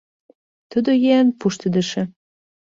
Тудо еҥ пуштедыше.